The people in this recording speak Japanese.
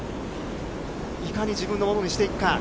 いかに自分のものにしていくか。